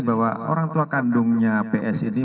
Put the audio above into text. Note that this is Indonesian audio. bahwa orang tua kandungnya ps ini